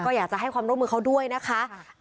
ก็อยากจะให้ความร่วมมือเขาด้วยนะคะ